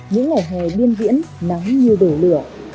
những ngày hè biên diễn nắng như đổ lửa